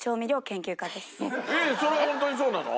えっそれはホントにそうなの？